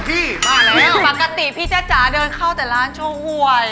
ปกติพี่จ๊ะจ๋าเดินเข้าแต่ร้านโชว์อวย